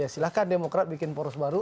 silahkan demokrat bikin poros baru